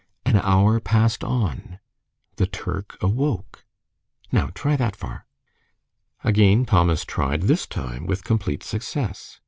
'An hour passed on: the Turk awoke.' Now, try that far." Again Thomas tried, this time with complete success.